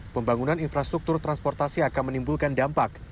pembangunan infrastruktur transportasi akan menimbulkan dampak